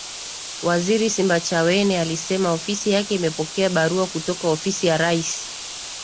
Waziri Simbachawene alisema ofisi yake imepokea barua kutoka Ofisi ya Rais